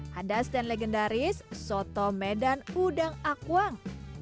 hadas dan legendaris soto medan udang akwang